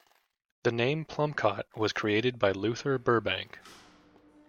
The name "plumcot" was created by Luther Burbank.